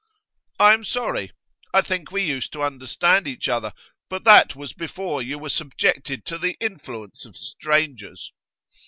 'I am sorry. I think we used to understand each other, but that was before you were subjected to the influence of strangers.